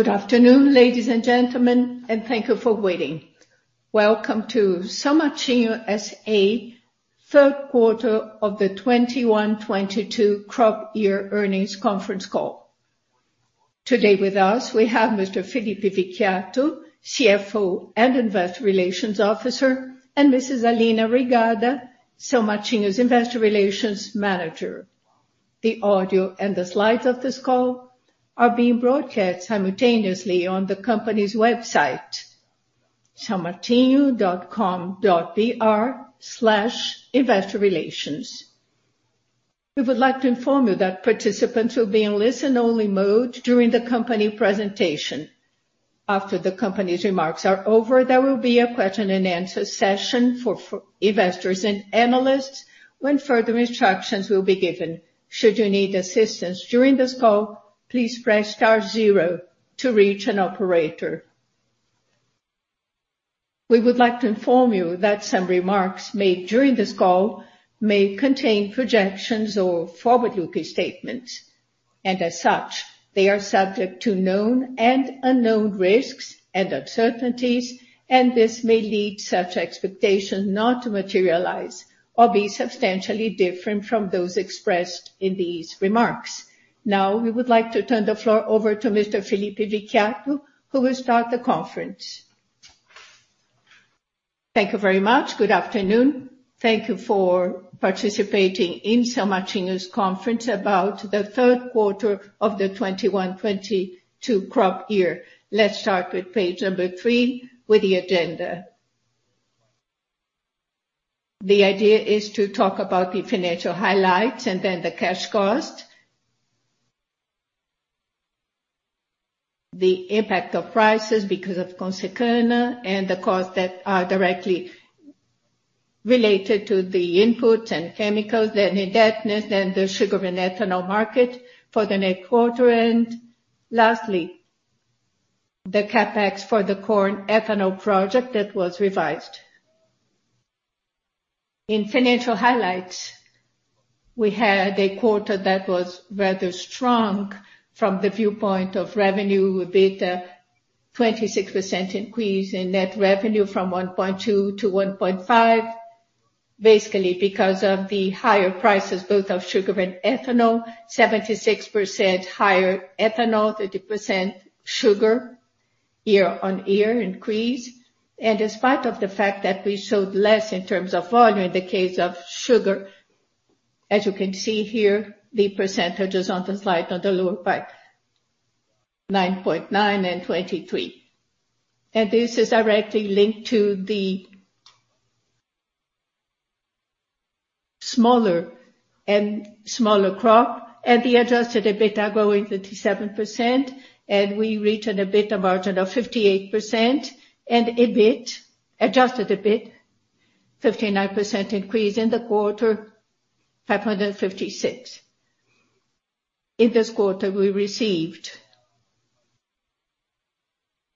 Good afternoon, ladies and gentlemen, and thank you for waiting. Welcome to São Martinho S.A. third quarter of the 2021-2022 crop year earnings conference call. Today with us, we have Mr. Felipe Vicchiato, CFO and Investor Relations Officer, and Mrs. Aline Rigato, São Martinho's Investor Relations Manager. The audio and the slides of this call are being broadcast simultaneously on the company's website, saomartinho.com.br/investorrelations. We would like to inform you that participants will be in listen-only mode during the company presentation. After the company's remarks are over, there will be a question and answer session for investors and analysts when further instructions will be given. Should you need assistance during this call, please press star zero to reach an operator. We would like to inform you that some remarks made during this call may contain projections or forward-looking statements. As such, they are subject to known and unknown risks and uncertainties, and this may lead such expectations not to materialize or be substantially different from those expressed in these remarks. Now, we would like to turn the floor over to Mr. Felipe Vicchiato, who will start the conference. Thank you very much. Good afternoon. Thank you for participating in São Martinho's conference about the third quarter of the 2021-2022 crop year. Let's start with page number 3 with the agenda. The idea is to talk about the financial highlights and then the cash cost. The impact of prices because of Consecana and the costs that are directly related to the input and chemicals, the indebtedness and the sugar and ethanol market for the next quarter. Lastly, the CapEx for the corn ethanol project that was revised. In financial highlights, we had a quarter that was rather strong from the viewpoint of revenue. We beat 26% increase in net revenue from 1.2-1.5. Basically, because of the higher prices both of sugar and ethanol. 76% higher ethanol, 30% sugar year-on-year increase. In spite of the fact that we showed less in terms of volume in the case of sugar, as you can see here, the percentages on the slide on the lower part, 9.9% and 23%. This is directly linked to the smaller and smaller crop and the adjusted EBITDA growing 37% and we reached an EBITDA margin of 58%. EBIT, adjusted EBIT, 59% increase in the quarter, 556. In this quarter, we received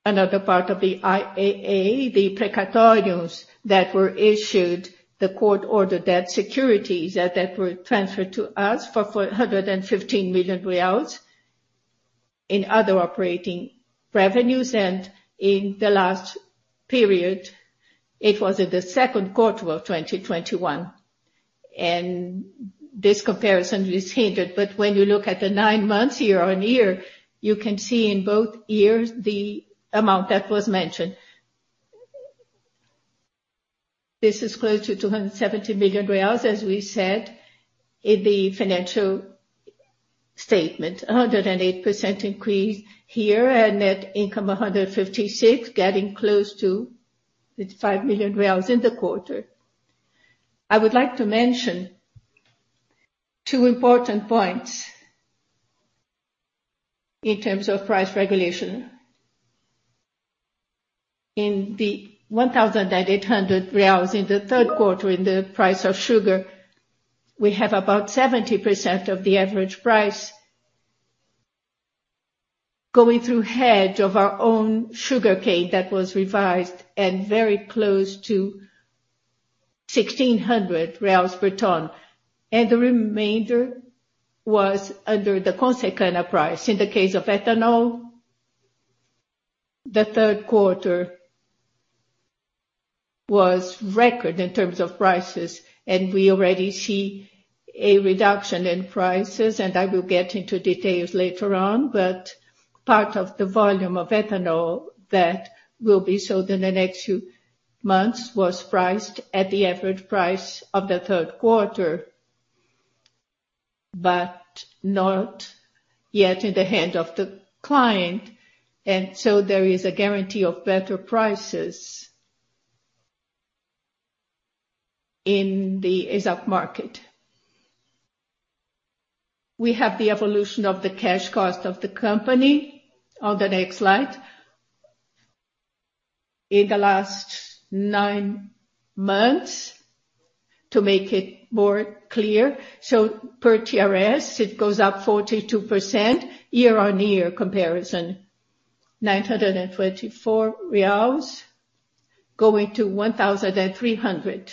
another part of the IAA, the precatórios that were issued, the court-ordered debt securities that were transferred to us for 415 million reais in other operating revenues. In the last period, it was in the second quarter of 2021, and this comparison is hindered. When you look at the nine months year-on-year, you can see in both years the amount that was mentioned. This is close to 270 million reais, as we said in the financial statement. A 108% increase here and net income 156, getting close to the 5 million reais in the quarter. I would like to mention two important points in terms of price regulation. In the 1,800 reais in the third quarter in the price of sugar, we have about 70% of the average price going through hedge of our own sugarcane that was revised and very close to 1,600 reais per ton. The remainder was under the Consecana price. In the case of ethanol, the third quarter was a record in terms of prices, and we already see a reduction in prices, and I will get into details later on. Part of the volume of ethanol that will be sold in the next few months was priced at the average price of the third quarter, but not yet in the hand of the client. There is a guarantee of better prices in the spot market. We have the evolution of the cash cost of the company on the next slide. In the last nine months to make it more clear. Per TRS, it goes up 42% year-on-year. BRL 924-BRL 1,300.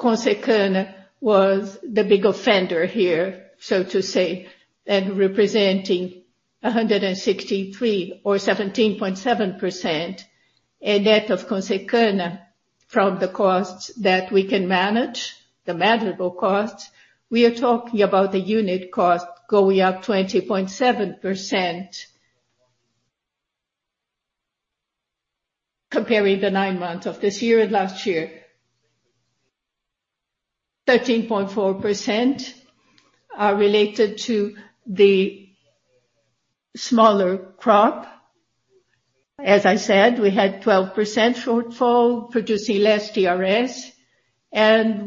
Consecana was the big offender here, so to say, and representing 163 or 17.7%. A debit of Consecana from the costs that we can manage, the manageable costs, we are talking about the unit cost going up 20.7% comparing the nine months of this year and last year. 13.4% related to the smaller crop. As I said, we had 12% shortfall producing less TRS.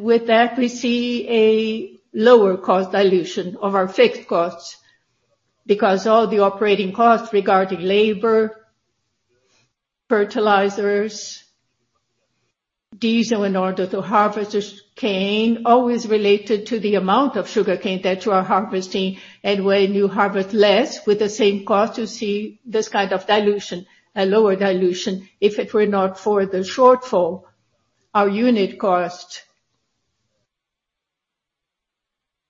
With that, we see a lower cost dilution of our fixed costs because all the operating costs regarding labor, fertilizers, diesel in order to harvest this cane, always related to the amount of sugarcane that you are harvesting. When you harvest less with the same cost, you see this kind of dilution. A lower dilution if it were not for the shortfall. Our unit cost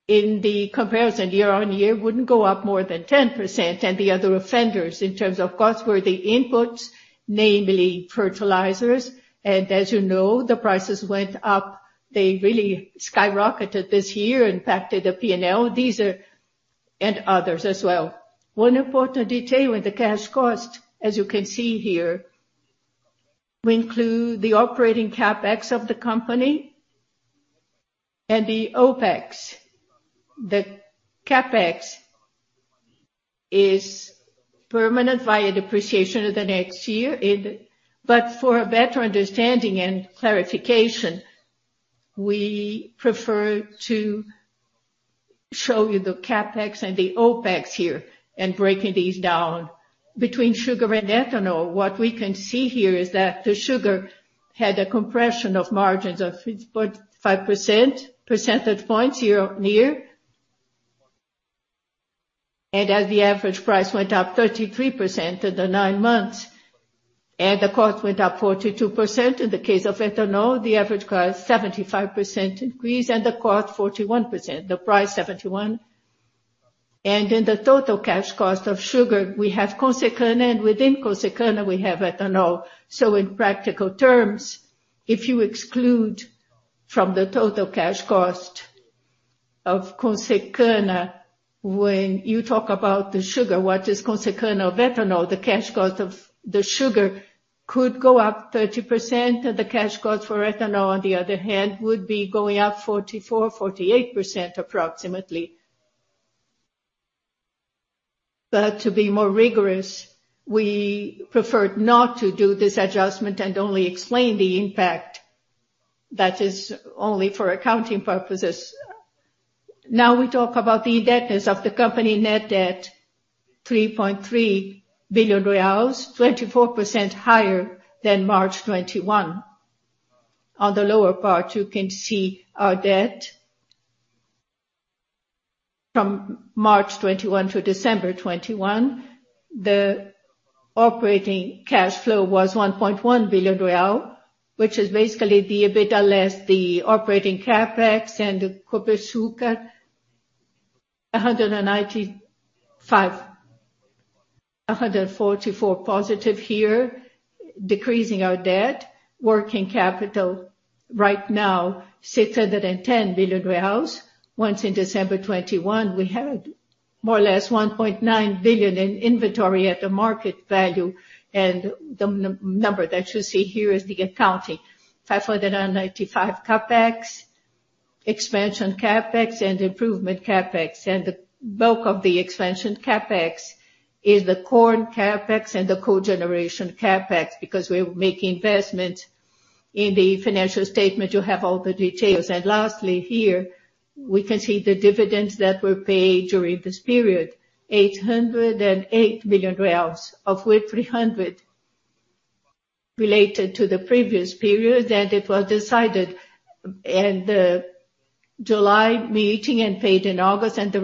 in the comparison year-on-year wouldn't go up more than 10%. The other offenders, in terms of costs, were the inputs, namely fertilizers. As you know, the prices went up. They really skyrocketed this year and impacted the P&L. These are and others as well. One important detail with the cash cost, as you can see here, we include the operating CapEx of the company and the OpEx. The CapEx is permanent via depreciation of the next year. For a better understanding and clarification, we prefer to show you the CapEx and the OpEx here, and breaking these down between sugar and ethanol. What we can see here is that the sugar had a compression of margins of 3.5 percentage points year-on-year. As the average price went up 33% in the 9 months, and the cost went up 42%. In the case of ethanol, the average price 75% increase and the cost 41%, the price 71. In the total cash cost of sugar, we have Consecana, and within Consecana we have ethanol. In practical terms, if you exclude from the total cash cost of Consecana when you talk about the sugar, what is Consecana of ethanol? The cash cost of the sugar could go up 30%, and the cash cost for ethanol, on the other hand, would be going up 44%-48% approximately. To be more rigorous, we preferred not to do this adjustment and only explain the impact. That is only for accounting purposes. Now we talk about the indebtedness of the company. Net debt, BRL 3.3 billion. 24% higher than March 2021. On the lower part, you can see our debt. From March 2021 to December 2021, the operating cash flow was 1.1 billion real, which is basically the EBITDA less the operating CapEx and Copersucar 195 million. 144 million positive here, decreasing our debt. Working capital right now, 610 million. In December 2021, we had more or less 1.9 billion in inventory at the market value. The number that you see here is the accounting. 595 million CapEx, expansion CapEx and improvement CapEx. The bulk of the expansion CapEx is the corn CapEx and the cogeneration CapEx, because we're making investment. In the financial statement, you have all the details. Lastly here, we can see the dividends that were paid during this period. 808 million reais, of which 300 million related to the previous period. It was decided in the July meeting and paid in August, and the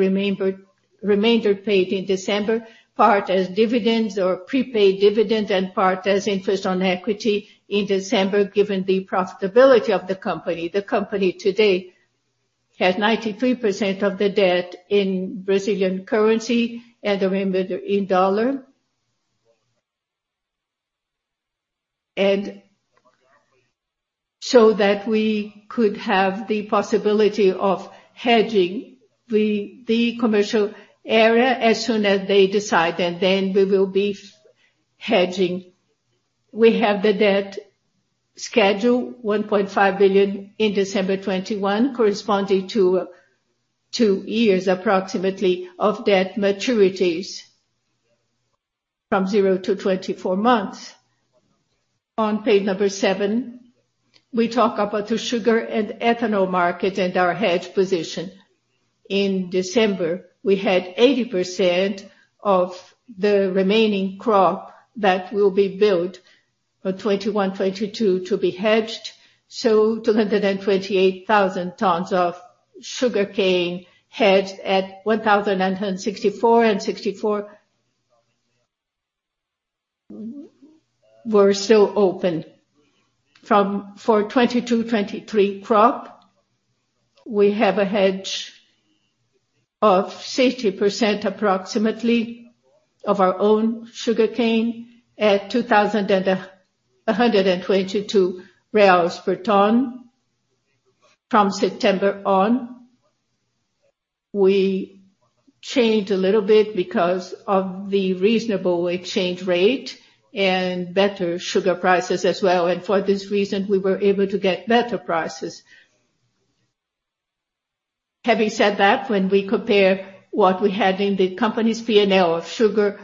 remainder paid in December, part as dividends or prepaid dividend, and part as interest on equity in December, given the profitability of the company. The company today has 93% of the debt in Brazilian currency and the remainder in dollars. We could have the possibility of hedging the commercial area as soon as they decide, and then we will be hedging. We have the debt schedule, 1.5 billion in December 2021, corresponding to approximately two years of debt maturities from 0-24 months. On page number seven, we talk about the sugar and ethanol market and our hedge position. In December, we had 80% of the remaining crop that will be billed for 2021-2022 to be hedged. 228,000 tons of sugarcane hedged at 1,064.64. We're still open. For 2022-2023 crop, we have a hedge of 60% approximately of our own sugarcane at 2,122 per ton. From September on, we changed a little bit because of the reasonable exchange rate and better sugar prices as well. For this reason, we were able to get better prices. Having said that, when we compare what we had in the company's P&L of sugar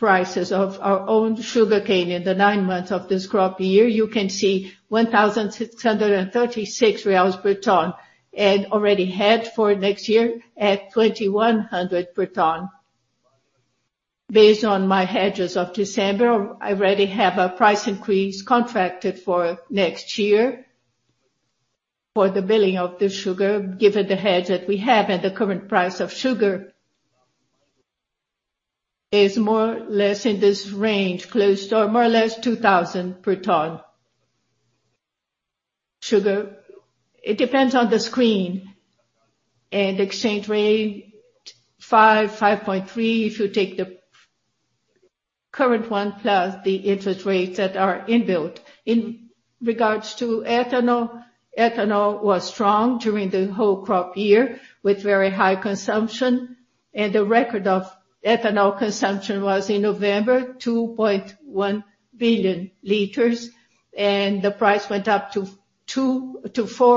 prices of our own sugarcane in the nine months of this crop year, you can see 1,636 reais per ton and already hedged for next year at 2,100 BRL per ton. Based on my hedges of December, I already have a price increase contracted for next year for the billing of the sugar, given the hedge that we have at the current price of sugar is more or less in this range, close to or more or less 2,000 BRL per ton. Sugar, it depends on the screen and exchange rate, 5-5.3, if you take the current one plus the interest rates that are inbuilt. In regards to ethanol was strong during the whole crop year with very high consumption, and the record of ethanol consumption was in November, 2.1 billion liters. The price went up to 2-4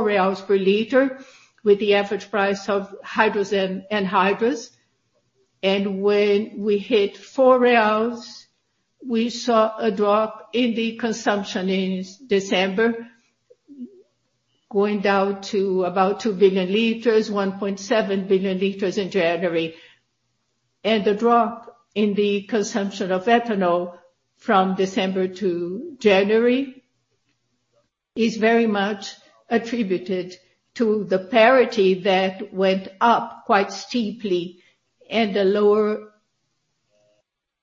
reais per liter with the average price of hydrous and anhydrous. When we hit 4 reais, we saw a drop in the consumption in December going down to about 2 billion liters, 1.7 billion liters in January. The drop in the consumption of ethanol from December to January is very much attributed to the parity that went up quite steeply and the lower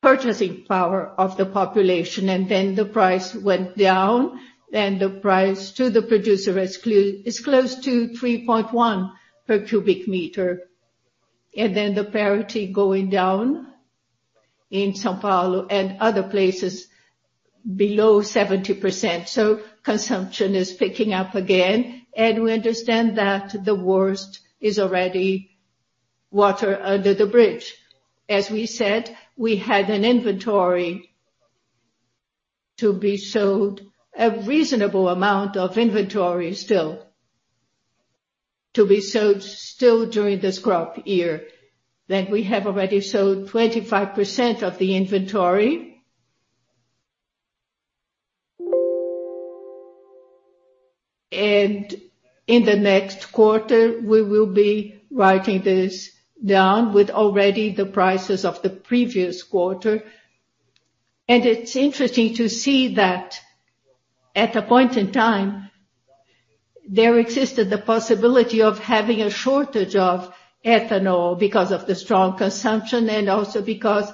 purchasing power of the population. Then the price went down, and the price to the producer is close to 3.1 per cubic meter. Then the parity going down in São Paulo and other places below 70%. Consumption is picking up again, and we understand that the worst is already water under the bridge. As we said, we had an inventory to be sold, a reasonable amount of inventory still to be sold during this crop year, that we have already sold 25% of the inventory. In the next quarter, we will be writing this down with already the prices of the previous quarter. It's interesting to see that at the point in time, there existed the possibility of having a shortage of ethanol because of the strong consumption and also because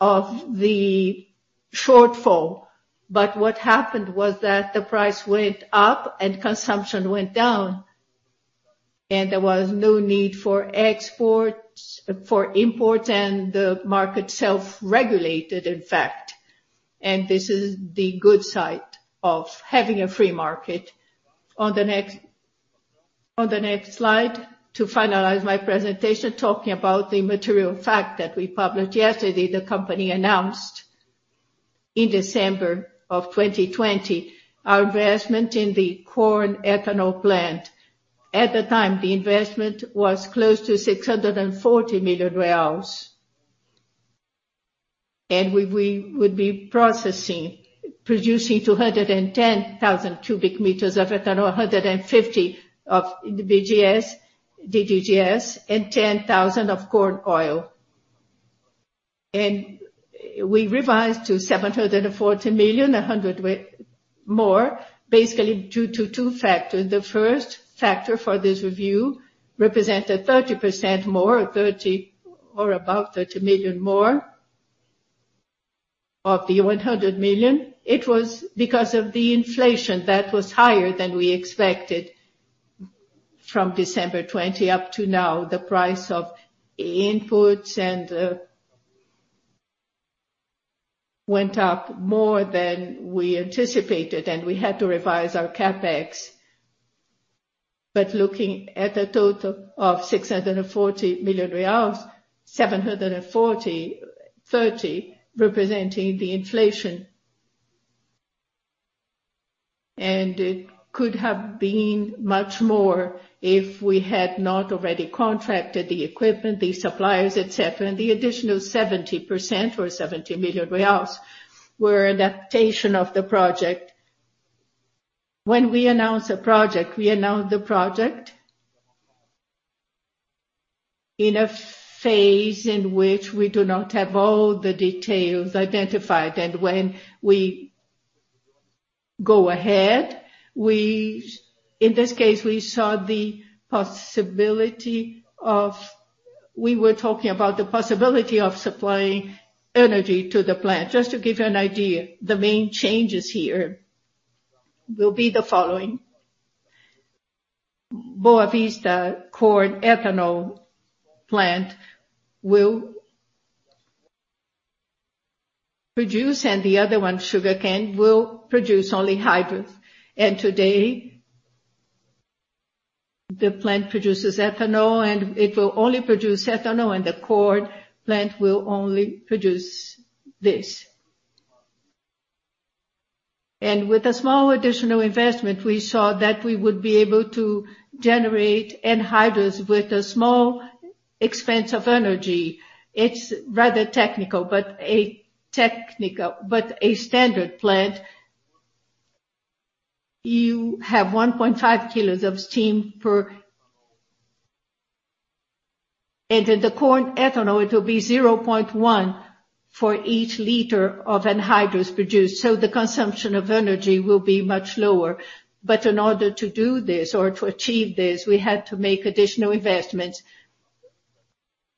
of the shortfall. What happened was that the price went up and consumption went down, and there was no need for exports, for imports, and the market self-regulated, in fact. This is the good side of having a free market. On the next slide, to finalize my presentation, talking about the material fact that we published yesterday, the company announced in December 2020 our investment in the corn ethanol plant. At the time, the investment was close to 640 million reais. We would be producing 210,000 cubic meters of ethanol, 150 of DDGS, and 10,000 of corn oil. We revised to 740 million, 100 million more, basically due to two factors. The first factor for this review represented 30% more or about 30 million more of the 100 million. It was because of the inflation that was higher than we expected from December 2020 up to now. The price of inputs and went up more than we anticipated, and we had to revise our CapEx. Looking at a total of 640 million reais, 740, 30 representing the inflation. It could have been much more if we had not already contracted the equipment, the suppliers, et cetera. The additional 70% or 70 million reais were adaptation of the project. When we announce a project, we announce the project in a phase in which we do not have all the details identified. When we go ahead. In this case, we saw the possibility of supplying energy to the plant. We were talking about the possibility of supplying energy to the plant. Just to give you an idea, the main changes here will be the following. Boa Vista corn ethanol plant will produce, and the other one, sugarcane, will produce only hydrous. Today, the plant produces ethanol, and it will only produce ethanol, and the corn plant will only produce this. With a small additional investment, we saw that we would be able to generate anhydrous with a small expense of energy. It's rather technical, but a standard plant. You have 1.5 kilos of steam per. In the corn ethanol, it will be 0.1 for each liter of anhydrous produced, so the consumption of energy will be much lower. In order to do this or to achieve this, we had to make additional investments.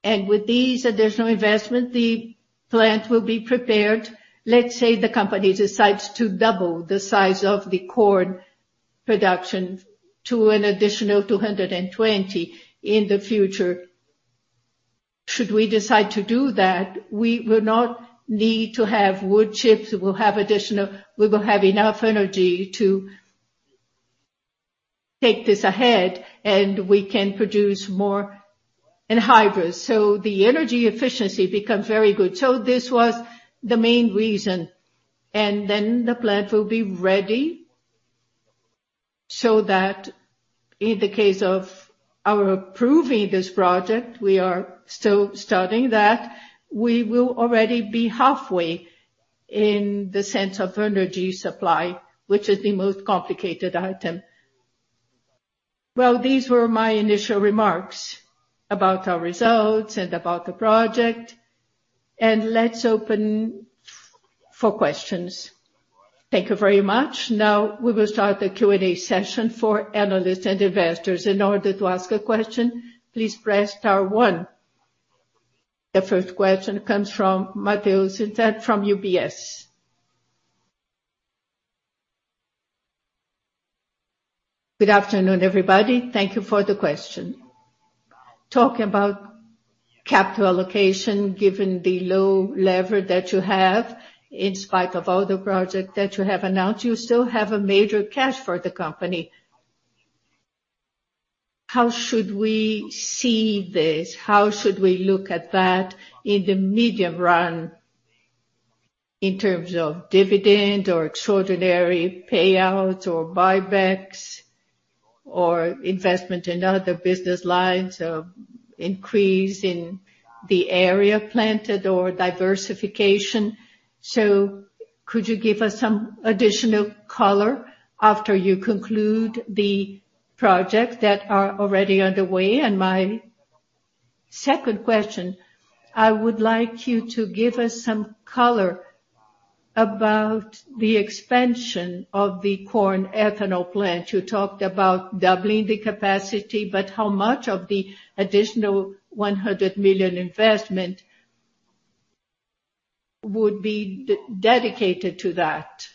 With these additional investment, the plant will be prepared. Let's say the company decides to double the size of the corn production to an additional 220 in the future. Should we decide to do that, we will not need to have wood chips. We will have enough energy to take this ahead, and we can produce more anhydrous. The energy efficiency becomes very good. This was the main reason. The plant will be ready so that in the case of our approving this project, we are still studying that, we will already be halfway in the sense of energy supply, which is the most complicated item. Well, these were my initial remarks about our results and about the project, and let's open for questions. Thank you very much. Now, we will start the Q&A session for analysts and investors. In order to ask a question, please press star one. The first question comes from Matheus Enfeldt from UBS. Good afternoon, everybody. Thank you for the question. Talking about capital allocation, given the low leverage that you have, in spite of all the projects that you have announced, you still have a major cash for the company. How should we see this? How should we look at that in the medium run in terms of dividend or extraordinary payouts or buybacks or investment in other business lines or increase in the area planted or diversification? Could you give us some additional color after you conclude the projects that are already underway? My second question, I would like you to give us some color about the expansion of the corn ethanol plant. You talked about doubling the capacity, but how much of the additional 100 million investment would be dedicated to that?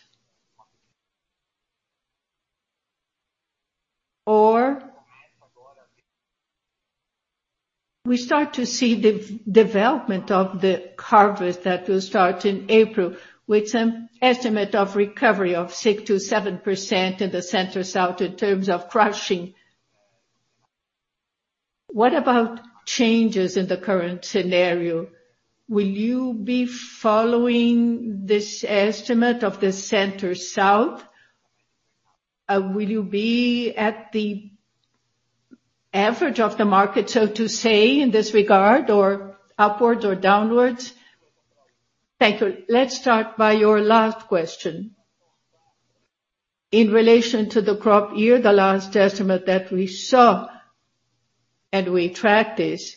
We start to see development of the harvest that will start in April with an estimate of recovery of 6%-7% in the Center-South in terms of crushing. What about changes in the current scenario? Will you be following this estimate of the Center-South? Will you be at the average of the market, so to say, in this regard, or upwards or downwards? Thank you. Let's start by your last question. In relation to the crop year, the last estimate that we saw, and we track this,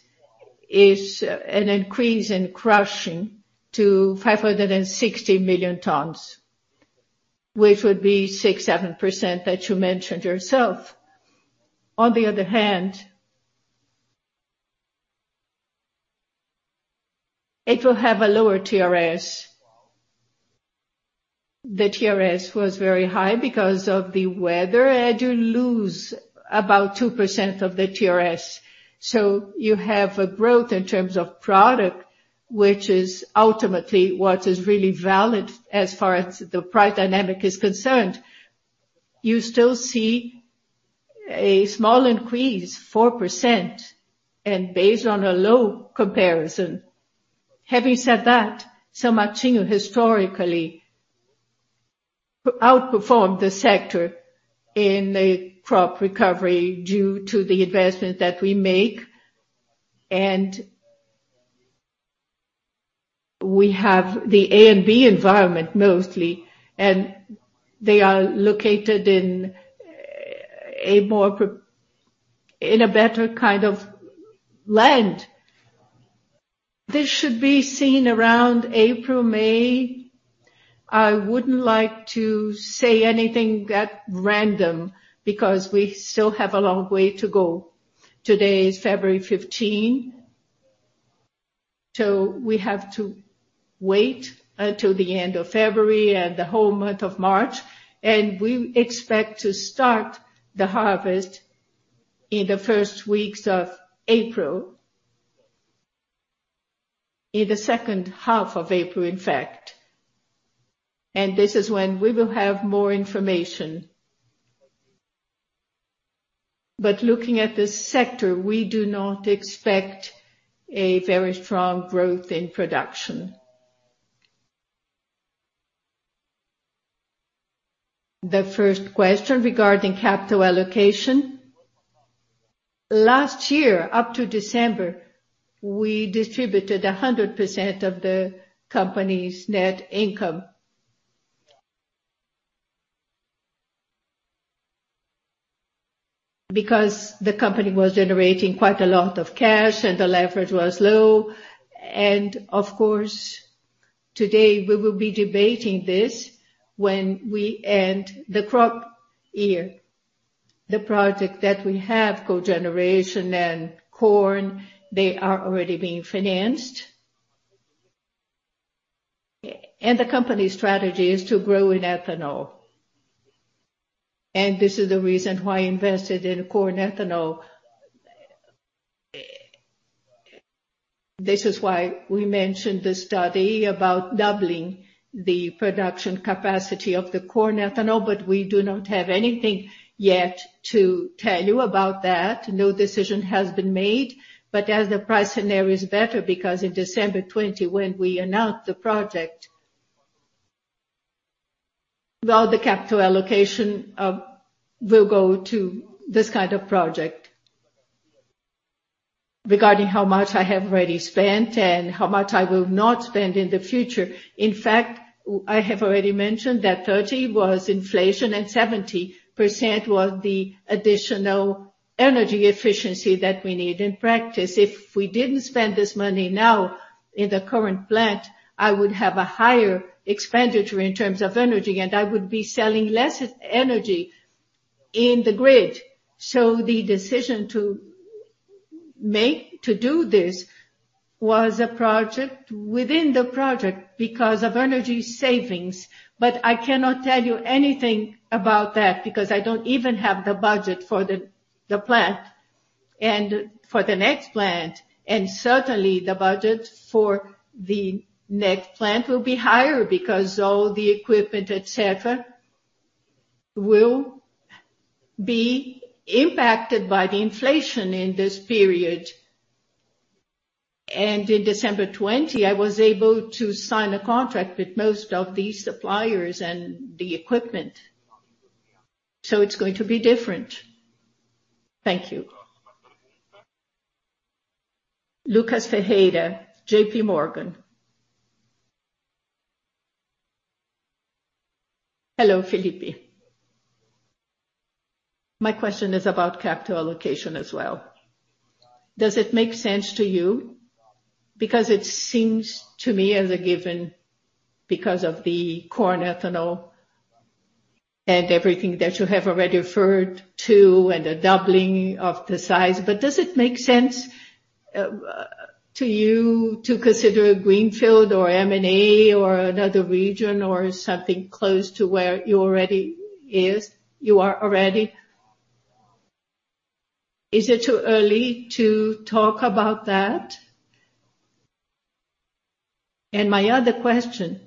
is an increase in crushing to 560 million tons, which would be 6%-7% that you mentioned yourself. On the other hand, it will have a lower TRS. The TRS was very high because of the weather, and you lose about 2% of the TRS. You have a growth in terms of product, which is ultimately what is really valid as far as the price dynamic is concerned. You still see a small increase, 4%, and based on a low comparison. Having said that, São Martinho historically outperformed the sector in the crop recovery due to the investment that we make. We have the A and B environment mostly, and they are located in a better kind of land. This should be seen around April, May. I wouldn't like to say anything at random because we still have a long way to go. Today is February 15, so we have to wait till the end of February and the whole month of March, and we expect to start the harvest in the first weeks of April. In the second half of April, in fact. This is when we will have more information. Looking at this sector, we do not expect a very strong growth in production. The first question regarding capital allocation. Last year, up to December, we distributed 100% of the company's net income. Because the company was generating quite a lot of cash and the leverage was low. Of course, today we will be debating this when we end the crop year. The project that we have, cogeneration and corn, they are already being financed. The company strategy is to grow in ethanol, and this is the reason why I invested in corn ethanol. This is why we mentioned the study about doubling the production capacity of the corn ethanol, but we do not have anything yet to tell you about that. No decision has been made. As the price scenario is better because in December 2020, when we announced the project. Well, the capital allocation will go to this kind of project. Regarding how much I have already spent and how much I will not spend in the future. In fact, I have already mentioned that 30% was inflation and 70% was the additional energy efficiency that we need in practice. If we didn't spend this money now in the current plant, I would have a higher expenditure in terms of energy, and I would be selling less energy in the grid. The decision to make to do this was a project within the project because of energy savings, but I cannot tell you anything about that because I don't even have the budget for the plant and for the next plant. Certainly the budget for the next plant will be higher because all the equipment, et cetera, will be impacted by the inflation in this period. In December 2020, I was able to sign a contract with most of these suppliers and the equipment. It's going to be different. Thank you. Lucas Ferreira, JP Morgan. Hello, Felipe. My question is about capital allocation as well. Does it make sense to you? Because it seems to me as a given because of the corn ethanol and everything that you have already referred to and the doubling of the size. But does it make sense to you to consider a greenfield or M&A or another region or something close to where you are already? Is it too early to talk about that? My other question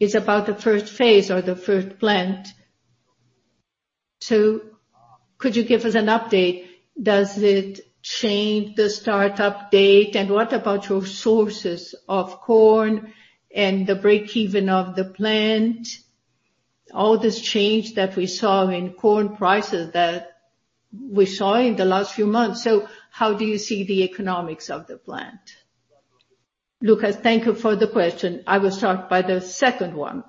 is about the first phase or the first plant. Could you give us an update? Does it change the start-up date? What about your sources of corn and the breakeven of the plant? All this change that we saw in corn prices in the last few months. How do you see the economics of the plant? Lucas, thank you for the question. I will start by the second one.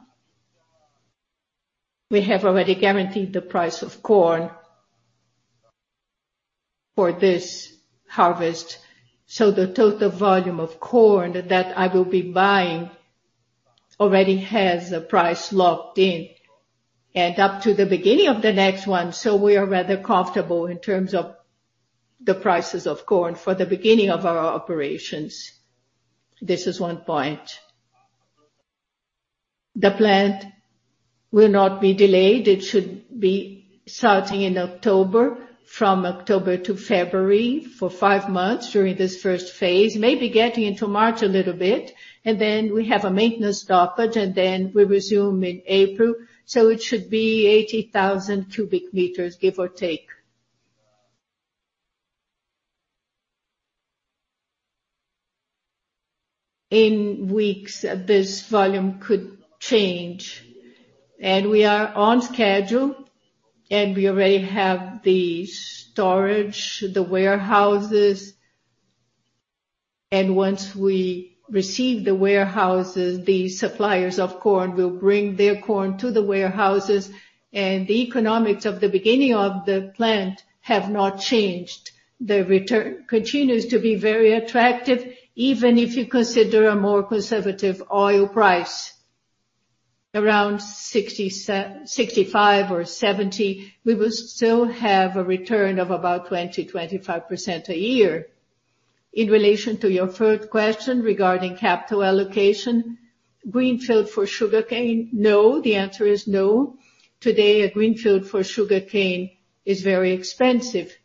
We have already guaranteed the price of corn for this harvest. The total volume of corn that I will be buying already has a price locked in and up to the beginning of the next one. We are rather comfortable in terms of the prices of corn for the beginning of our operations. This is one point. The plant will not be delayed. It should be starting in October, from October-February for 5 months during this first phase, maybe getting into March a little bit, and then we have a maintenance stoppage, and then we resume in April. It should be 80,000 cubic meters, give or take. In weeks, this volume could change. We are on schedule, and we already have the storage, the warehouses. Once we receive the warehouses, the suppliers of corn will bring their corn to the warehouses, and the economics of the beginning of the plant have not changed. The return continues to be very attractive, even if you consider a more conservative oil price around $65 or $70. We will still have a return of about 20, 25% a year. In relation to your third question regarding capital allocation, greenfield for sugarcane, no. The answer is no. Today, a greenfield for sugarcane is very expensive,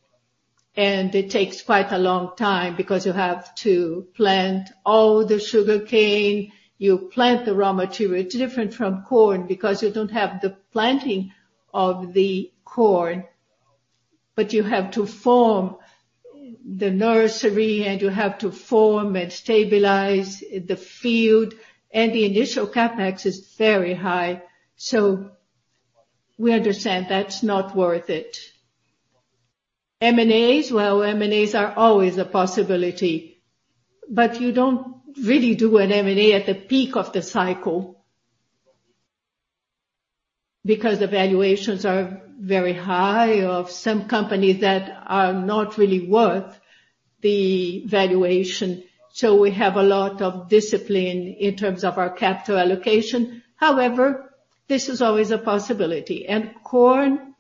and it takes quite a long time because you have to plant all the sugarcane. You plant the raw material. It's different from corn because you don't have the planting of the corn, but you have to form the nursery, and you have to form and stabilize the field. The initial CapEx is very high, so we understand that's not worth it. M&As, well, M&As are always a possibility, but you don't really do an M&A at the peak of the cycle because the valuations are very high of some companies that are not really worth the valuation. We have a lot of discipline in terms of our capital allocation. However, this is always a possibility. Corn,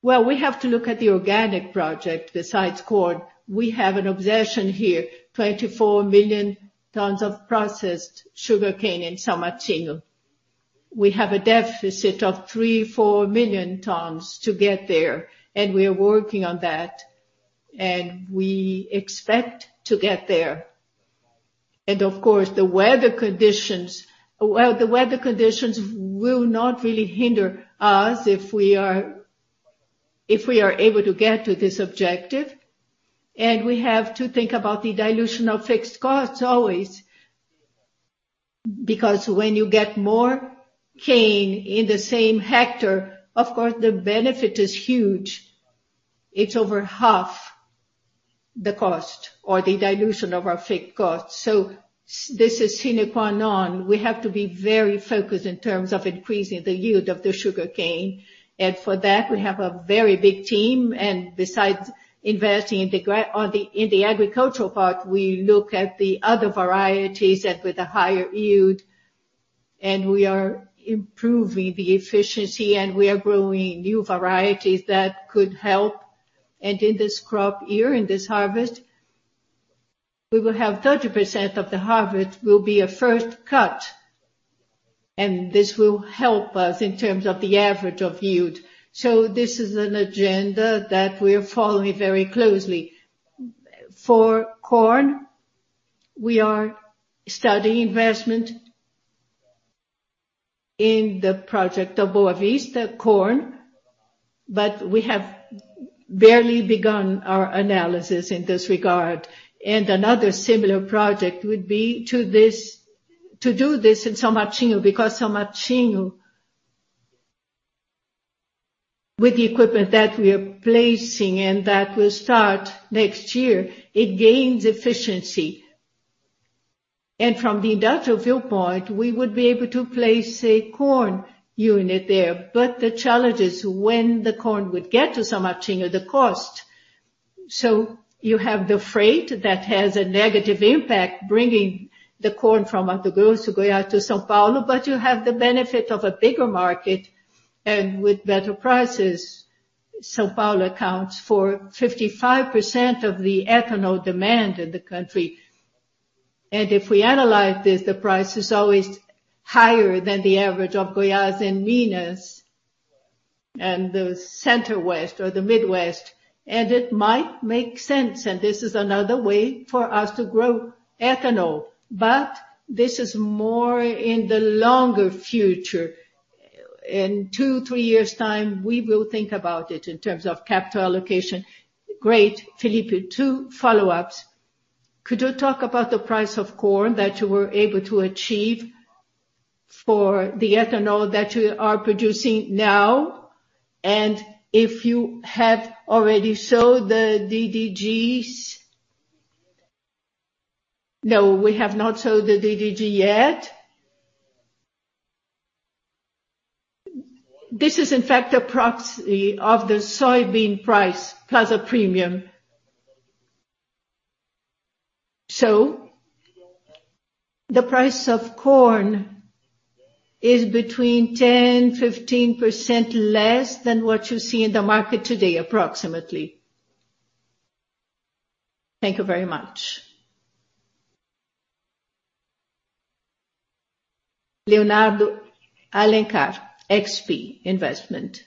well, we have to look at the organic project besides corn. We have an obsession here, 24 million tons of processed sugarcane in São Martinho. We have a deficit of 3-4 million tons to get there, and we are working on that, and we expect to get there. Of course, the weather conditions. Well, the weather conditions will not really hinder us if we are able to get to this objective. We have to think about the dilution of fixed costs always because when you get more cane in the same hectare, of course the benefit is huge. It's over half the cost or the dilution of our fixed costs. This is sine qua non. We have to be very focused in terms of increasing the yield of the sugarcane. For that, we have a very big team. Besides investing in the agricultural part, we look at the other varieties and with a higher yield. We are improving the efficiency, and we are growing new varieties that could help. In this crop year, in this harvest, we will have 30% of the harvest will be a first cut, and this will help us in terms of the average of yield. This is an agenda that we're following very closely. For corn, we are studying investment in the project of Boa Vista corn, but we have barely begun our analysis in this regard. Another similar project would be to do this in São Martinho, because São Martinho, with the equipment that we are placing and that will start next year, it gains efficiency. From the industrial viewpoint, we would be able to place a corn unit there. The challenge is when the corn would get to São Martinho, the cost. You have the freight that has a negative impact bringing the corn from Mato Grosso, Goiás to São Paulo, but you have the benefit of a bigger market and with better prices. São Paulo accounts for 55% of the ethanol demand in the country. If we analyze this, the price is always higher than the average of Goiás and Minas and the center-west or the Midwest. It might make sense, and this is another way for us to grow ethanol, but this is more in the longer future. In 2-3 years' time, we will think about it in terms of capital allocation. Great. Felipe, 2 follow-ups. Could you talk about the price of corn that you were able to achieve for the ethanol that you are producing now? And if you have already sold the DDGs? No, we have not sold the DDG yet. This is in fact a proxy of the soybean price plus a premium. The price of corn is between 10%-15% less than what you see in the market today, approximately. Thank you very much. Leonardo Alencar, XP Investimentos.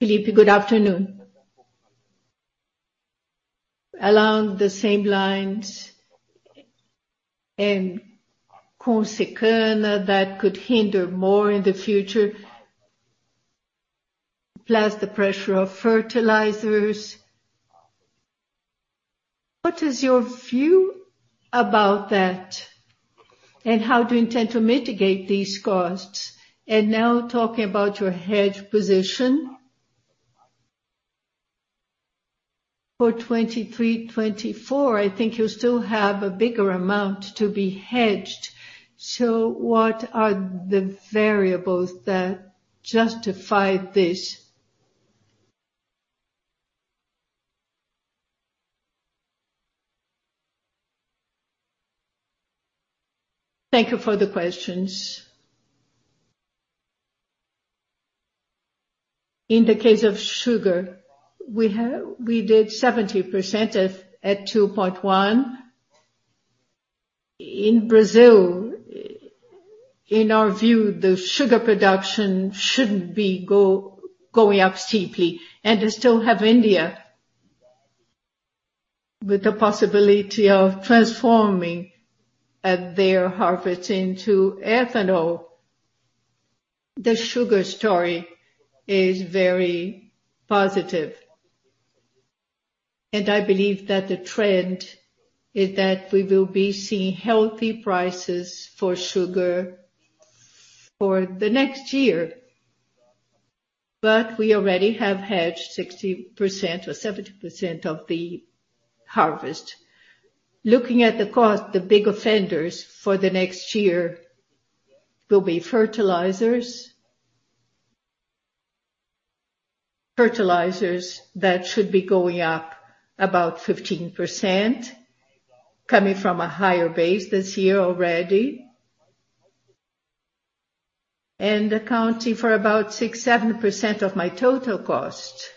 Felipe. Felipe, good afternoon. Along the same lines and Consecana that could hinder more in the future, plus the pressure of fertilizers, what is your view about that, and how do you intend to mitigate these costs? Now talking about your hedge position for 2023, 2024, I think you still have a bigger amount to be hedged. What are the variables that justify this? Thank you for the questions. In the case of sugar, we did 70% at $2.1. In Brazil, in our view, the sugar production shouldn't be going up steeply and they still have India with the possibility of transforming their harvest into ethanol. The sugar story is very positive. I believe that the trend is that we will be seeing healthy prices for sugar for the next year. We already have hedged 60% or 70% of the harvest. Looking at the cost, the big offenders for the next year will be fertilizers. Fertilizers that should be going up about 15% coming from a higher base this year already and accounting for about 6-7% of my total cost.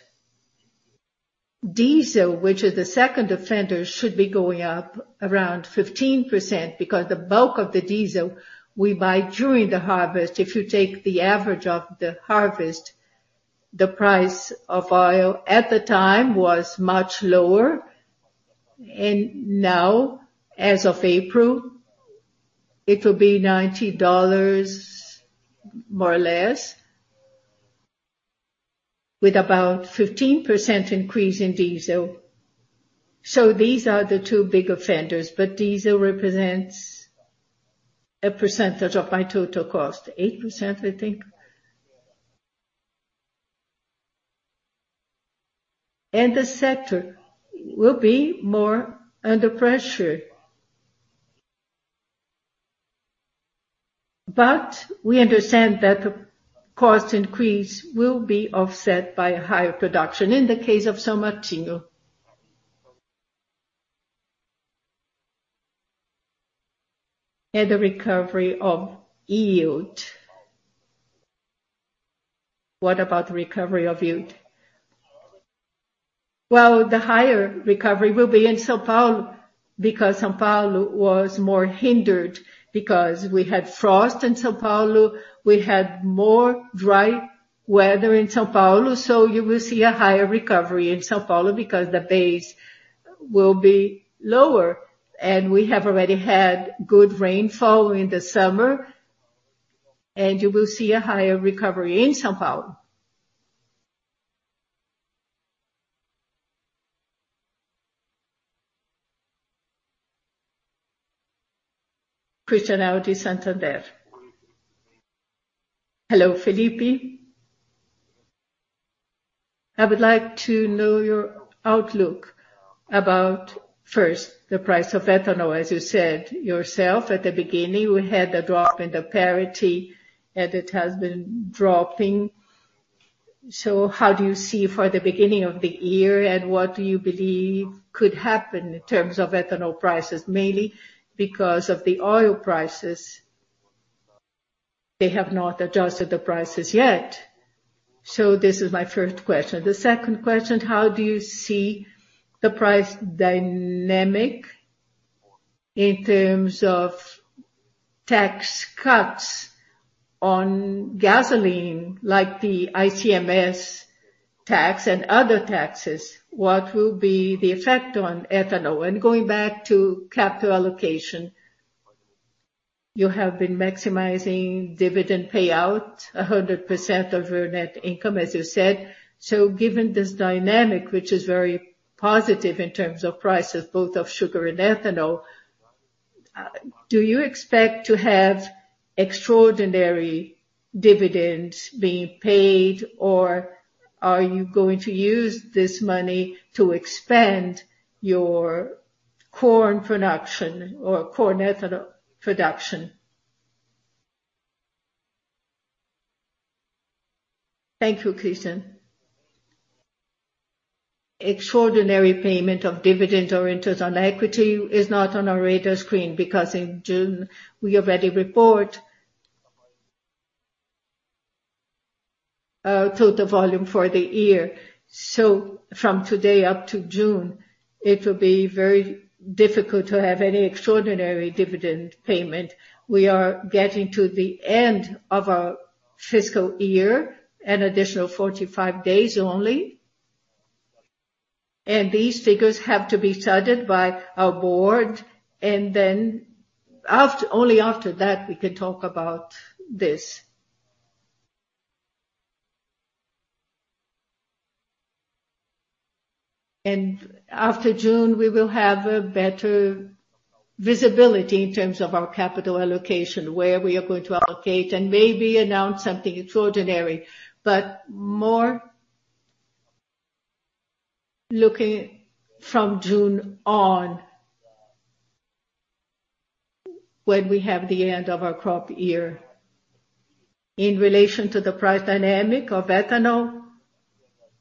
Diesel, which is the second offender, should be going up around 15% because the bulk of the diesel we buy during the harvest. If you take the average of the harvest, the price of oil at the time was much lower. Now, as of April, it will be $90 more or less with about 15% increase in diesel. These are the two big offenders, but diesel represents a percentage of my total cost, 8%, I think. The sector will be more under pressure. We understand that the cost increase will be offset by a higher production in the case of São Martinho. The recovery of yield. What about the recovery of yield? Well, the higher recovery will be in São Paulo because São Paulo was more hindered because we had frost in São Paulo, we had more dry weather in São Paulo. You will see a higher recovery in São Paulo because the base will be lower. We have already had good rainfall in the summer, and you will see a higher recovery in São Paulo. Christian Audi, Santander. Hello, Felipe. I would like to know your outlook about, first, the price of ethanol. As you said yourself at the beginning, we had a drop in the parity, and it has been dropping. How do you see for the beginning of the year, and what do you believe could happen in terms of ethanol prices? Mainly because of the oil prices, they have not adjusted the prices yet. This is my first question. The second question, how do you see the price dynamic in terms of tax cuts on gasoline, like the ICMS tax and other taxes? What will be the effect on ethanol? And going back to capital allocation, you have been maximizing dividend payout 100% of your net income, as you said. Given this dynamic, which is very positive in terms of prices, both of sugar and ethanol, do you expect to have extraordinary dividends being paid or are you going to use this money to expand your corn production or corn ethanol production? Thank you, Christian. Extraordinary payment of dividends or interest on equity is not on our radar screen because in June we already report total volume for the year. From today up to June, it will be very difficult to have any extraordinary dividend payment. We are getting to the end of our fiscal year, an additional 45 days only. These figures have to be studied by our board, and then only after that we can talk about this. After June, we will have a better visibility in terms of our capital allocation, where we are going to allocate and maybe announce something extraordinary. More looking from June on. When we have the end of our crop year. In relation to the price dynamic of ethanol,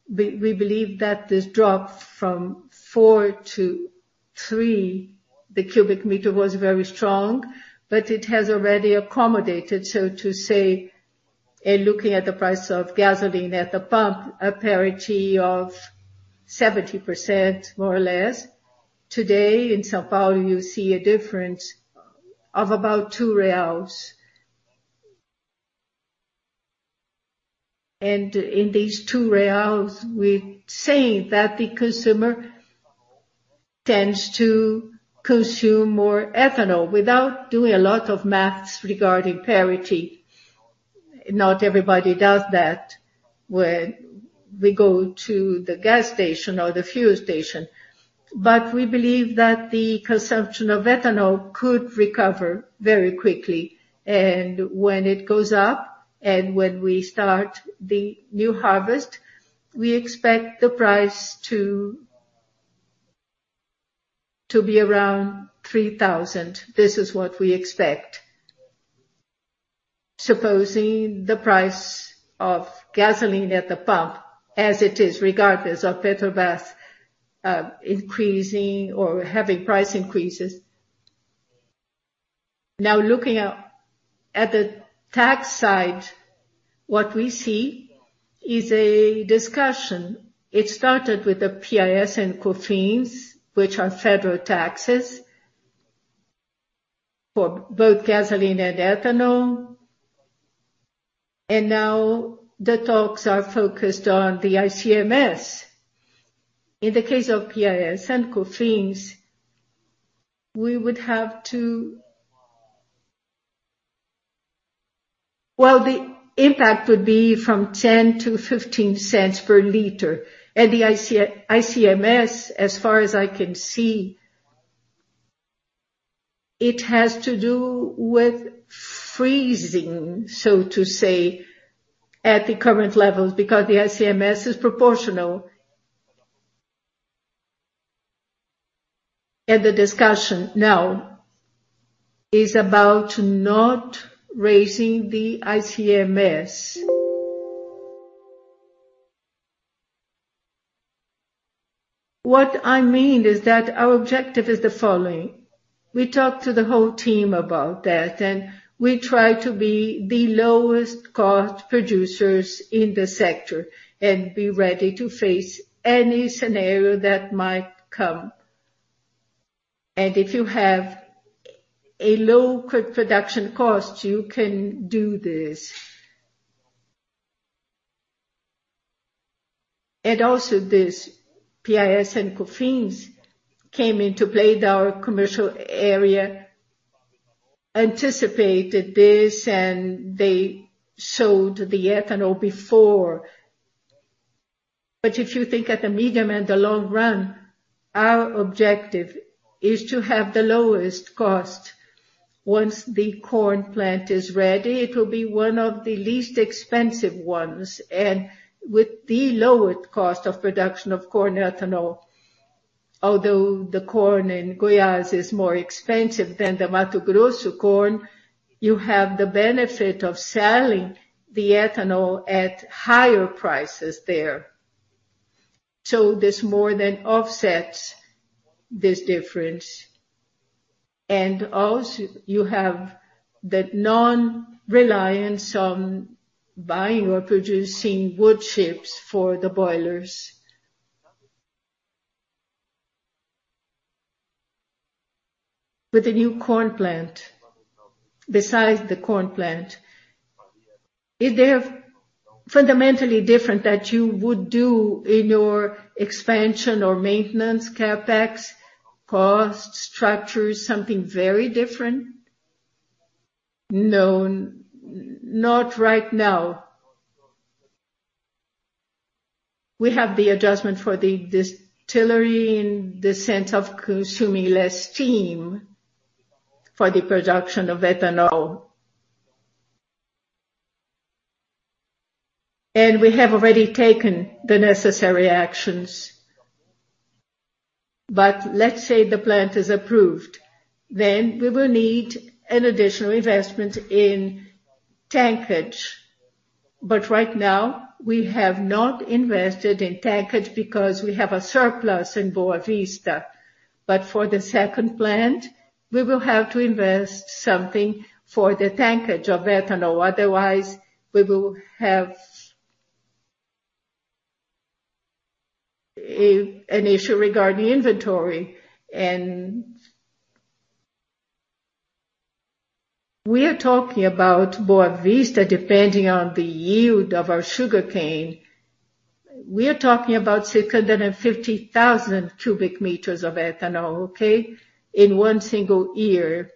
we believe that this drop from 4-3 per cubic meter was very strong, but it has already accommodated, so to say, in looking at the price of gasoline at the pump, a parity of 70% more or less. Today in São Paulo, you see a difference of about BRL 2. In these two reals, we're saying that the consumer tends to consume more ethanol without doing a lot of math regarding parity. Not everybody does that when we go to the gas station or the fuel station. We believe that the consumption of ethanol could recover very quickly. When it goes up, and when we start the new harvest, we expect the price to be around 3,000. This is what we expect. Supposing the price of gasoline at the pump as it is, regardless of Petrobras, increasing or having price increases. Now looking at the tax side, what we see is a discussion. It started with the PIS and COFINS, which are federal taxes for both gasoline and ethanol. Now the talks are focused on the ICMS. In the case of PIS and COFINS, well, the impact would be 0.10-0.15 per liter. The ICMS, as far as I can see, it has to do with freezing, so to say, at the current levels, because the ICMS is proportional. The discussion now is about not raising the ICMS. What I mean is that our objective is the following. We talked to the whole team about that, and we try to be the lowest cost producers in the sector and be ready to face any scenario that might come. If you have a low production cost, you can do this. Also this PIS and COFINS came into play. Our commercial area anticipated this, and they sold the ethanol before. If you think in the medium and the long run, our objective is to have the lowest cost. Once the corn plant is ready, it will be one of the least expensive ones and with the lowest cost of production of corn ethanol. Although the corn in Goiás is more expensive than the Mato Grosso corn, you have the benefit of selling the ethanol at higher prices there. This more than offsets this difference. Also you have the non-reliance on buying or producing wood chips for the boilers. With the new corn plant, besides the corn plant, is there fundamentally different that you would do in your expansion or maintenance CapEx cost structure, something very different? No, not right now. We have the adjustment for the distillery in the sense of consuming less steam for the production of ethanol. We have already taken the necessary actions. Let's say the plant is approved, then we will need an additional investment in tankage. Right now we have not invested in tankage because we have a surplus in Boa Vista. For the second plant, we will have to invest something for the tankage of ethanol. Otherwise, we will have an issue regarding inventory and we are talking about Boa Vista, depending on the yield of our sugarcane. We are talking about 650,000 cubic meters of ethanol, okay, in one single year.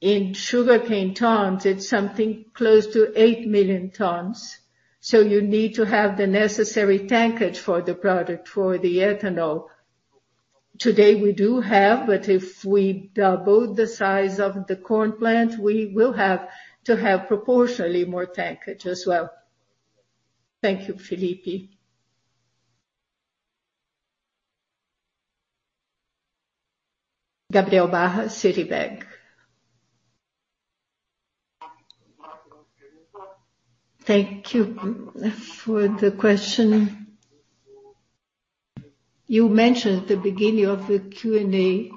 In sugarcane tons, it's something close to 8 million tons. You need to have the necessary tankage for the product, for the ethanol. Today we do have, but if we double the size of the corn plant, we will have to have proportionally more tankage as well. Thank you, Felipe. Gabriel Barra, Citigroup. Thank you for the question. You mentioned at the beginning of the Q&A.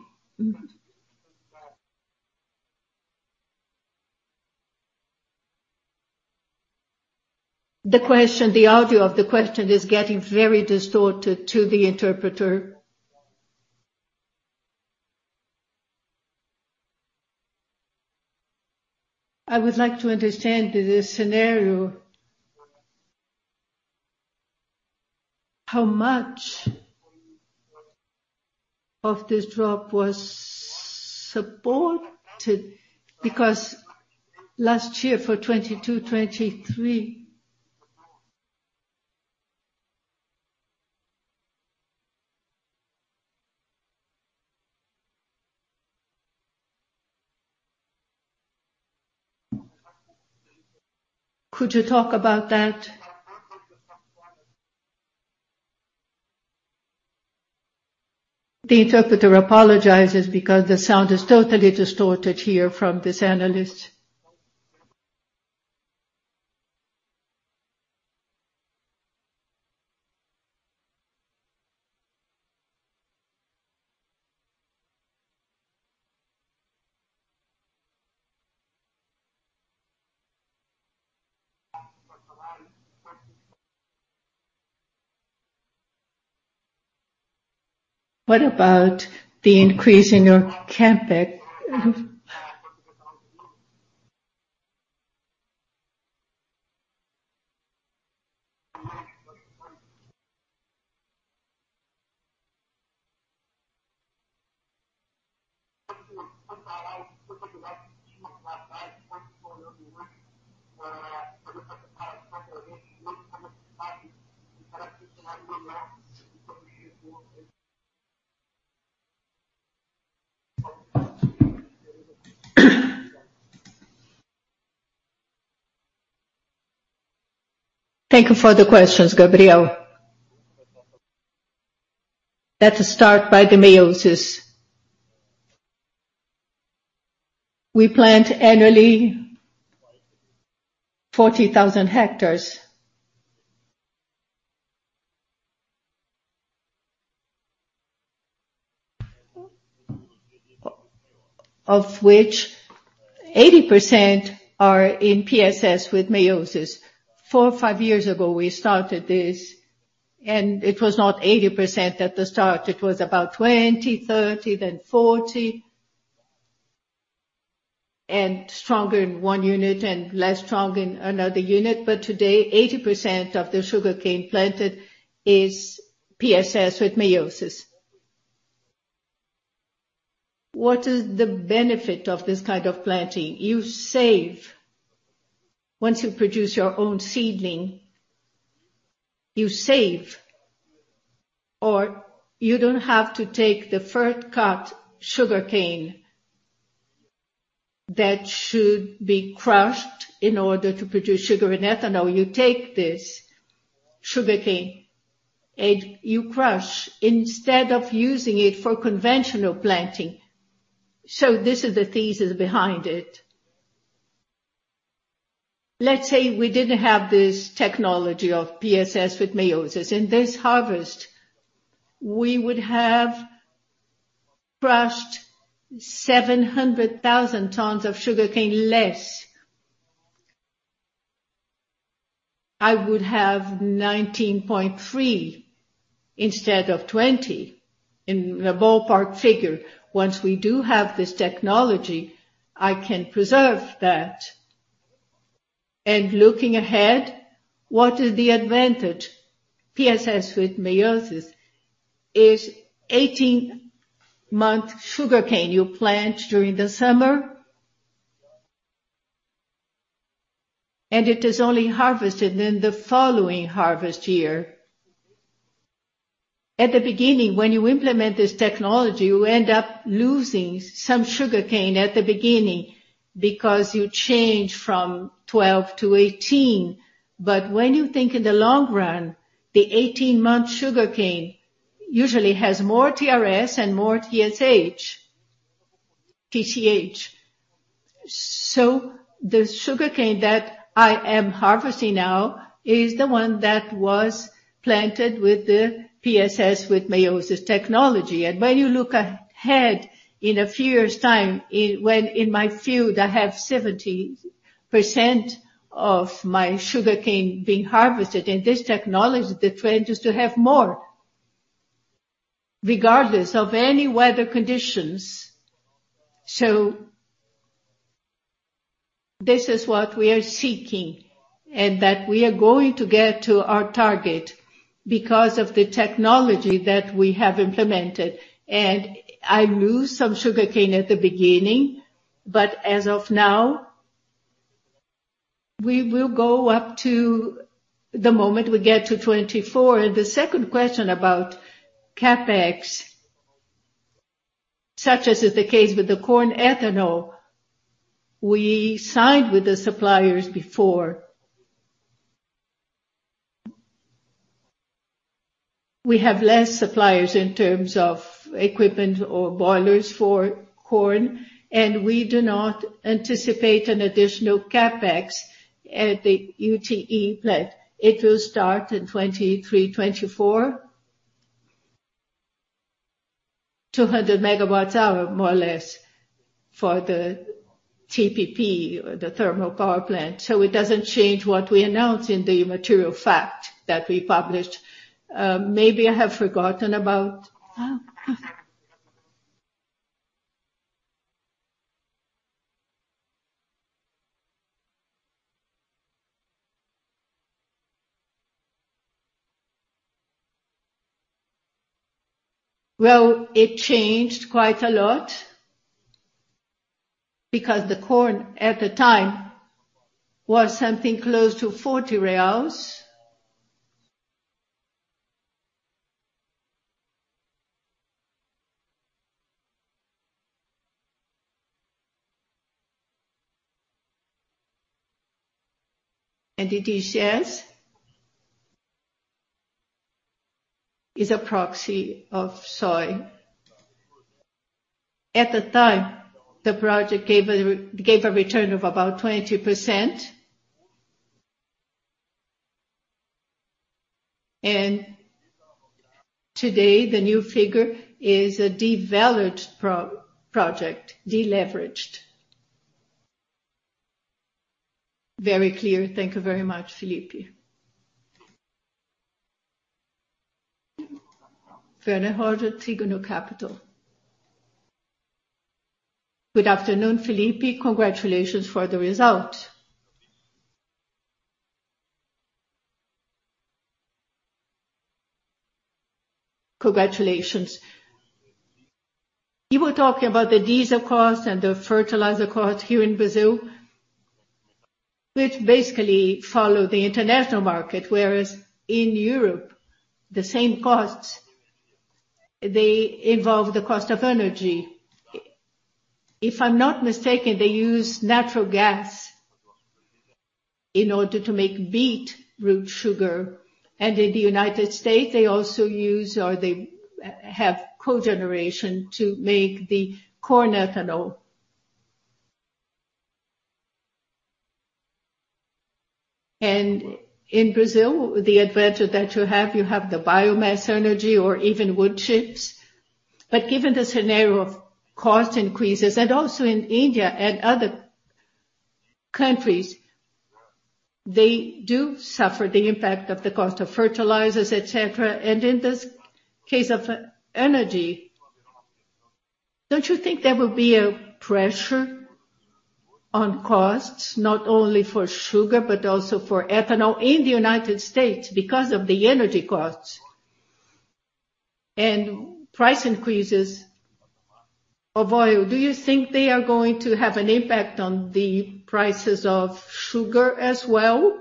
The question. The audio of the question is getting very distorted to the interpreter. I would like to understand this scenario. How much of this drop was supported? Because last year for 2022, 2023. Could you talk about that? The interpreter apologizes because the sound is totally distorted here from this analyst. What about the increase in your CapEx? Thank you for the questions, Gabriel. Let's start by the Meiosi. We plant annually 40,000 hectares. Of which 80% are in PSS with Meiosi. 4 or 5 years ago, we started this, and it was not 80% at the start. It was about 20, 30, then 40. Stronger in one unit and less strong in another unit. Today, 80% of the sugarcane planted is PSS with Meiosi. What is the benefit of this kind of planting? Once you produce your own seedling, you save, or you don't have to take the first cut sugarcane that should be crushed in order to produce sugar and ethanol. You take this sugarcane, and you crush instead of using it for conventional planting. This is the thesis behind it. Let's say we didn't have this technology of PSS with Meiosi. In this harvest, we would have crushed 700,000 tons of sugarcane less. I would have 19.3 instead of 20 in the ballpark figure. Once we do have this technology, I can preserve that. Looking ahead, what is the advantage? PSS with Meiosi is 18-month sugarcane. You plant during the summer, and it is only harvested in the following harvest year. At the beginning, when you implement this technology, you end up losing some sugarcane at the beginning because you change from 12-18. When you think in the long run, the 18-month sugarcane usually has more TRS and more TCH. The sugarcane that I am harvesting now is the one that was planted with the PSS with Meiosi technology. When you look ahead in a few years' time, when in my field, I have 70% of my sugarcane being harvested. This technology, the trend is to have more regardless of any weather conditions. This is what we are seeking, and that we are going to get to our target because of the technology that we have implemented. I lose some sugarcane at the beginning, but as of now, we will go up to the moment we get to 2024. The second question about CapEx, such as is the case with the corn ethanol, we signed with the suppliers before. We have less suppliers in terms of equipment or boilers for corn, and we do not anticipate an additional CapEx at the UTE plant. It will start in 2023, 2024. 200 megawatt-hours, more or less, for the TPP, the thermal power plant. It doesn't change what we announced in the material fact that we published. It changed quite a lot because the corn at the time was something close to 40 reais. It is a proxy of soy. At the time, the project gave a return of about 20%. Today, the new figure is a devalued project. Deleveraged. Very clear. Thank you very much, Felipe. Werner Roger, Trígono Capital. Good afternoon, Felipe. Congratulations for the result. Congratulations. You were talking about the diesel cost and the fertilizer cost here in Brazil, which basically follow the international market, whereas in Europe, the same costs, they involve the cost of energy. If I'm not mistaken, they use natural gas in order to make beetroot sugar. In the United States, they also use or they have cogeneration to make the corn ethanol. In Brazil, the advantage that you have, you have the biomass energy or even wood chips. Given the scenario of cost increases, and also in India and other countries, they do suffer the impact of the cost of fertilizers, et cetera. In this case of energy, don't you think there will be a pressure on costs, not only for sugar, but also for ethanol in the United States because of the energy costs and price increases of oil? Do you think they are going to have an impact on the prices of sugar as well?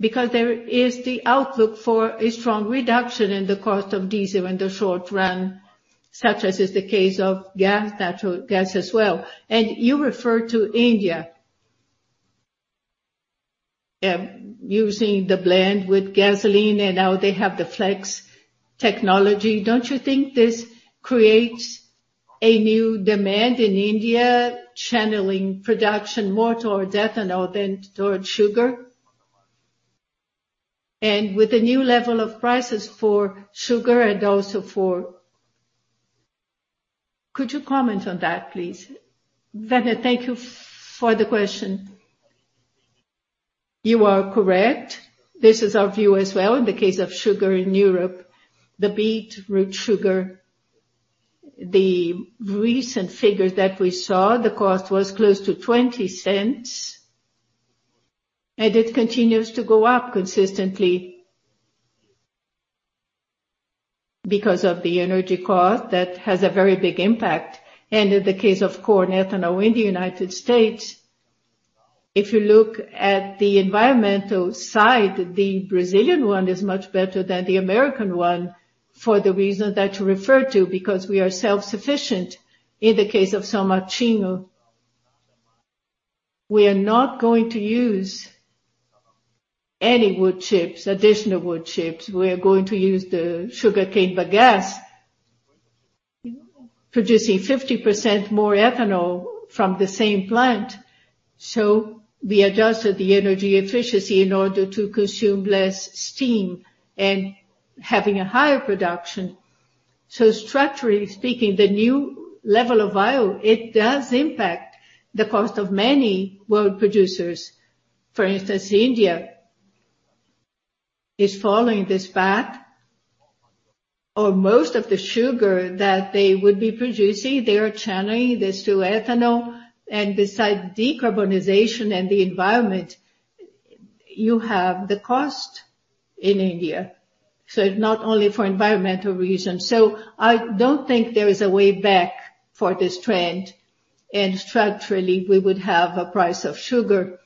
There is the outlook for a strong reduction in the cost of diesel in the short run, such as is the case of gas, natural gas as well. You referred to India, using the blend with gasoline, and now they have the flex technology. Don't you think this creates a new demand in India, channeling production more towards ethanol than towards sugar? With the new level of prices for sugar and also for... Could you comment on that, please? Werner, thank you for the question. You are correct. This is our view as well. In the case of sugar in Europe, the beet root sugar, the recent figures that we saw, the cost was close to $0.20, and it continues to go up consistently because of the energy cost. That has a very big impact. In the case of corn ethanol in the United States, if you look at the environmental side, the Brazilian one is much better than the American one for the reason that you referred to, because we are self-sufficient in the case of São Martinho. We are not going to use any wood chips, additional wood chips. We are going to use the sugarcane bagasse, producing 50% more ethanol from the same plant. We adjusted the energy efficiency in order to consume less steam and having a higher production. Structurally speaking, the new level of oil, it does impact the cost of many world producers. For instance, India is following this path, or most of the sugar that they would be producing, they are channeling this to ethanol. Besides decarbonization and the environment, you have the cost in India. Not only for environmental reasons. I don't think there is a way back for this trend. Structurally, we would have a price of sugar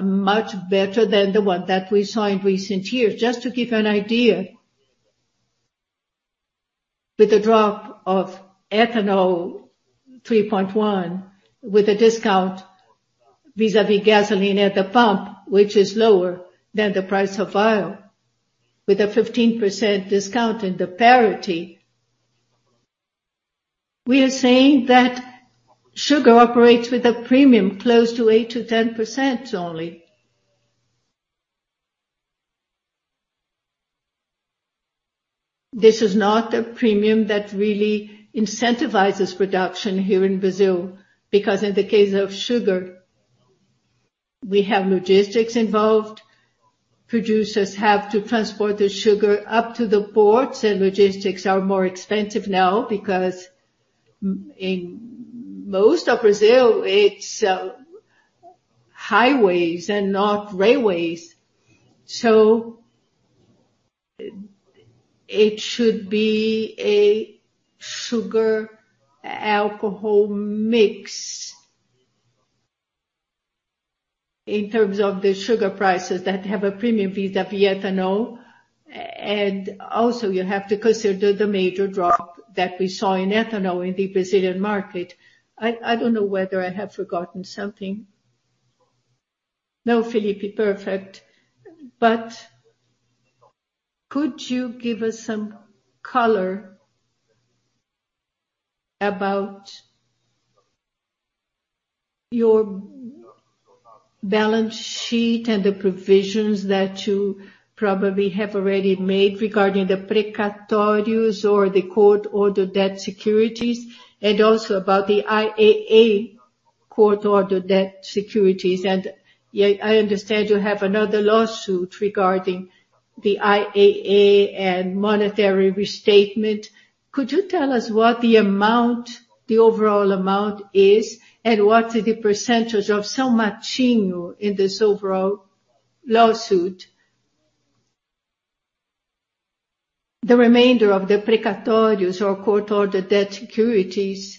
much better than the one that we saw in recent years. Just to give you an idea. With the drop of ethanol 3.1, with a discount vis-à-vis gasoline at the pump, which is lower than the price of oil, with a 15% discount in the parity. We are saying that sugar operates with a premium close to 8%-10% only. This is not a premium that really incentivizes production here in Brazil, because in the case of sugar, we have logistics involved. Producers have to transport the sugar up to the ports, and logistics are more expensive now because in most of Brazil, it's highways and not railways. It should be a sugar alcohol mix in terms of the sugar prices that have a premium vis-à-vis ethanol. And also you have to consider the major drop that we saw in ethanol in the Brazilian market. I don't know whether I have forgotten something. No, Felipe Vicchiato. Perfect. Could you give us some color about your balance sheet and the provisions that you probably have already made regarding the precatórios or the court-ordered debt securities, and also about the IAA court-ordered debt securities. Yeah, I understand you have another lawsuit regarding the IAA and monetary restatement. Could you tell us what the amount, the overall amount is, and what is the percentage of São Martinho in this overall lawsuit? The remainder of the precatórios or court-ordered debt securities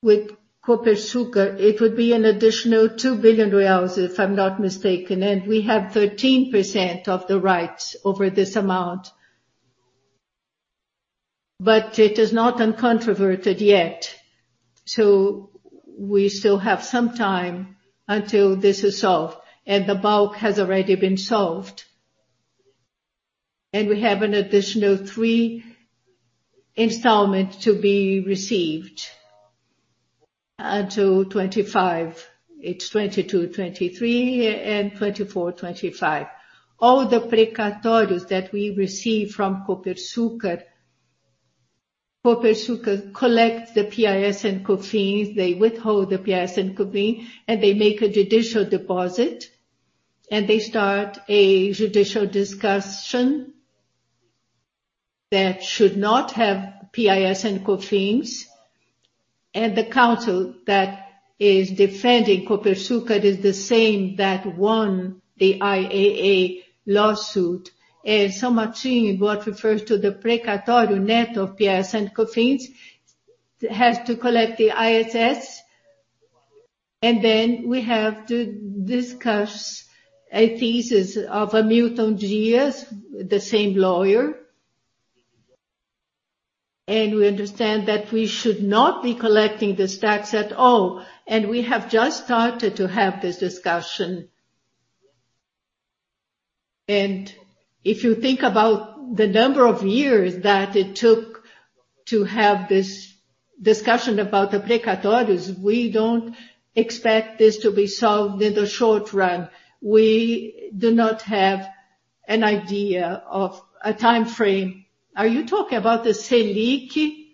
with Copersucar, it would be an additional 2 billion, if I'm not mistaken. We have 13% of the rights over this amount. It is not uncontroverted yet, so we still have some time until this is solved, and the bulk has already been solved. We have an additional three installments to be received until 2025. It's 2022, 2023 and 2024, 2025. All the precatórios that we receive from Copersucar collects the PIS and COFINS. They withhold the PIS and COFINS, and they make a judicial deposit, and they start a judicial discussion that should not have PIS and COFINS. The counsel that is defending Copersucar is the same that won the IAA lawsuit. São Martinho, what refers to the precatório net of PIS and COFINS, has to collect the ISS. Then we have to discuss a thesis of Hamilton Dias de Souza, the same lawyer. We understand that we should not be collecting this tax at all. We have just started to have this discussion. If you think about the number of years that it took to have this discussion about the precatórios, we don't expect this to be solved in the short run. We do not have an idea of a timeframe. Are you talking about the Selic?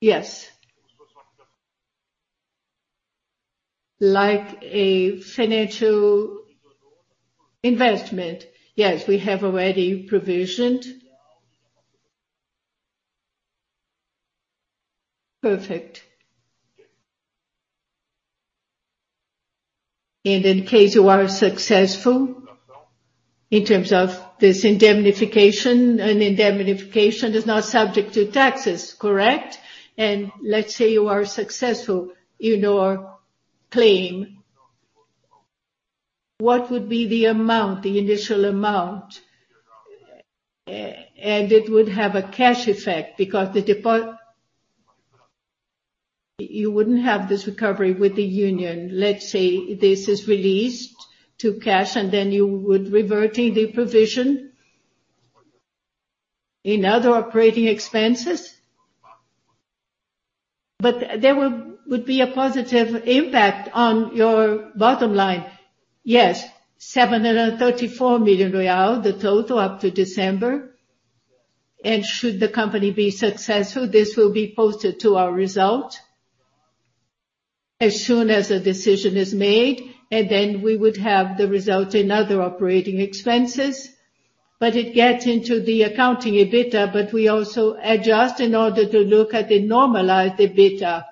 Yes. Like a financial investment. Yes, we have already provisioned. Perfect. In case you are successful in terms of this indemnification, an indemnification is not subject to taxes, correct? Let's say you are successful in your claim, what would be the amount, the initial amount? And it would have a cash effect. You wouldn't have this recovery with the union. Let's say this is released to cash, and then you would revert in the provision. In other operating expenses. There would be a positive impact on your bottom line. Yes. 734 million real, the total up to December. Should the company be successful, this will be posted to our result as soon as a decision is made, and then we would have the result in other operating expenses. It gets into the accounting EBITDA, but we also adjust in order to look at the normalized EBITDA.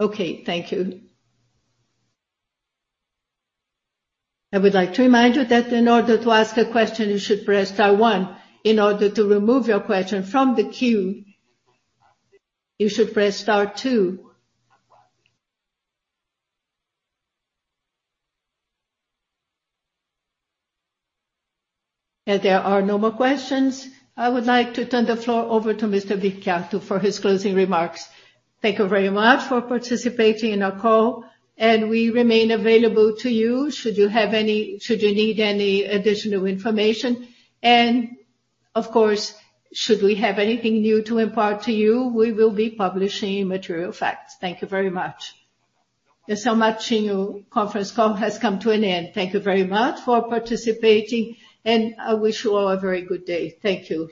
Okay, thank you. I would like to remind you that in order to ask a question, you should press star one. In order to remove your question from the queue, you should press star two. As there are no more questions, I would like to turn the floor over to Mr. Vicchiato for his closing remarks. Thank you very much for participating in our call, and we remain available to you should you need any additional information. Of course, should we have anything new to impart to you, we will be publishing material facts. Thank you very much. The São Martinho conference call has come to an end. Thank you very much for participating, and I wish you all a very good day. Thank you.